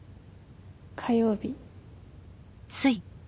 火曜日